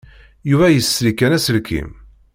Yuba yesri kan aselkim.